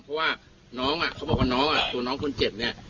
เพราะว่าน้องอ่ะเขาบอกว่าน้องตัวน้องคนเจ็บเนี่ย